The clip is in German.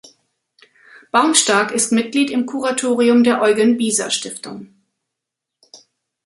Baumstark ist Mitglied im Kuratorium der Eugen-Biser-Stiftung.